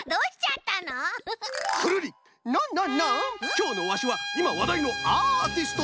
きょうのワシはいまわだいのアーティスト！